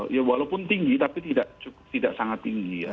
ya walaupun tinggi tapi tidak sangat tinggi ya